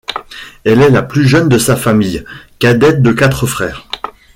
Elle est la plus jeune de sa famille, cadette de quatre frères.